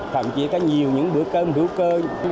thậm chí có nhiều những bữa cơm bữa cơm